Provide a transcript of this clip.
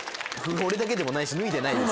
俺だけでもないし脱いでないです。